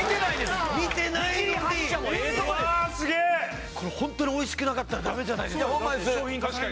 すげえこれホントにおいしくなかったらダメじゃないですか